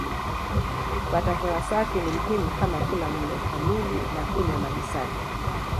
Kupata hewa safi ni muhimu kama kula mlo kamili na kunywa maji safi.